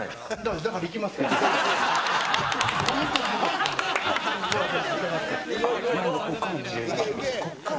だから行きますから。